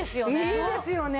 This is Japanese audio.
いいですよね。